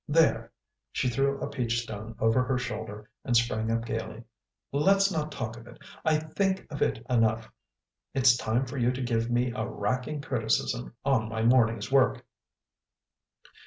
There!" She threw a peach stone over her shoulder and sprang up gaily. "Let's not talk of it; I THINK of it enough! It's time for you to give me a RACKING criticism on my morning's work."